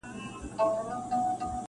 دومره لوړ سو چي له سترګو هم پناه سو -